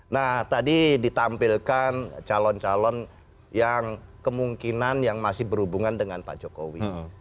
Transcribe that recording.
nah tadi ditampilkan calon calon yang kemungkinan yang masih berhubungan dengan pak jokowi